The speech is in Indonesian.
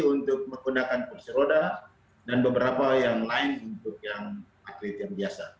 untuk menggunakan kursi roda dan beberapa yang lain untuk yang atlet yang biasa